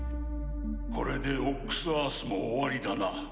これで「オックス・アース」も終わりだな。